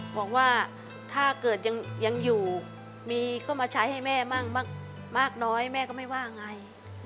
บอกว่าถ้าเกิดยังอยู่มีก็มาใช้ให้แม่มั่งมากน้อยแม่ก็ไม่ว่าไง